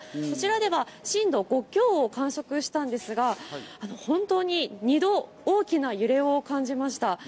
そちらでは震度５強を観測したんですが、本当に２度、大きな揺れを感じました。